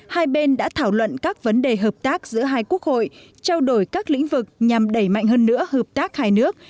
hai bên đã thảo luận các vấn đề hợp tác giữa hai quốc hội trao đổi các lĩnh vực nhằm đẩy mạnh hơn nữa hợp tác hai nước